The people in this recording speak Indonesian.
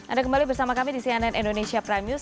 anda kembali bersama kami di cnn indonesia prime news